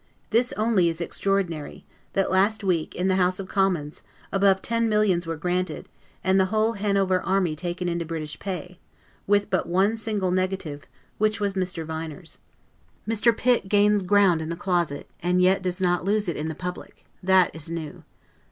This only is extraordinary: that last week, in the House of Commons, above ten millions were granted, and the whole Hanover army taken into British pay, with but one single negative, which was Mr. Viner's. Mr. Pitt gains ground in the closet, and yet does not lose it in the public. That is new.